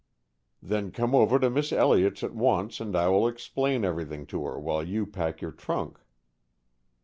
"Then come over to Miss Elliott's at once, and I will explain everything to her while you pack your trunk."